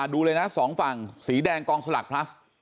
ดูเลยนะสองฝั่งสีแดงกองสลักพลัส